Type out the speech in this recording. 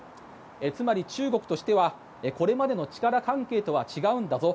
つまり、中国としてはこれまでの力関係とは違うんだぞ。